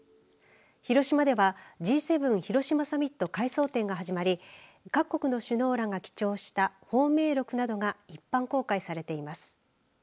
広島ではＧ７広島サミット回想展が始まり各国の首脳らが記帳した芳名録などが一般公開されています。